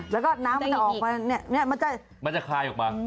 และน่ามันจะออกไป